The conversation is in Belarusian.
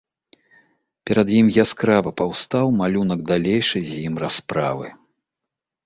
Перад ім яскрава паўстаў малюнак далейшай з ім расправы.